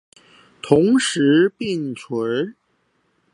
同時並存